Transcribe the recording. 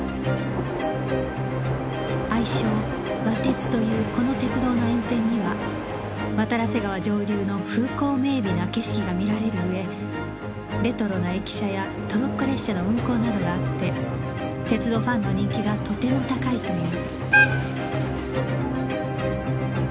愛称「わ鉄」というこの鉄道の沿線には渡良瀬川上流の風光明媚な景色が見られる上レトロな駅舎やトロッコ列車の運行などがあって鉄道ファンの人気がとても高いという